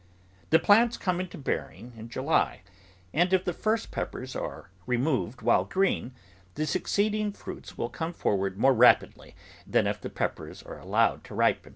The plants come into bearing in July, and if the first peppers are removed while green, the succeed ing fruits will come forward more rapidly than if the peppers are allowed to ripen.